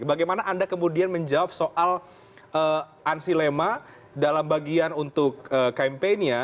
bagaimana anda kemudian menjawab soal ansyi lema dalam bagian untuk kampenya